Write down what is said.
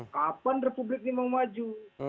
kapan republik ini mau maju